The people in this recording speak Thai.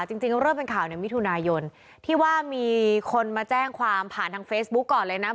จริงเริ่มเป็นข่าวในมิถุนายนที่ว่ามีคนมาแจ้งความผ่านทางเฟซบุ๊กก่อนเลยนะ